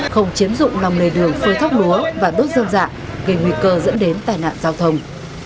không chiếm dụng lòng lê đường phơi thóc lúa và đốt dâm dạ gây nguy cơ dẫn đến tài nạn giao thông